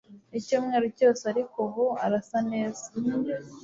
icyumweru cyose ariko ubu arasa neza